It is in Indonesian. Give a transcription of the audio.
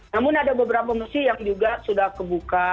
namun ada beberapa masjid yang juga sudah kebuka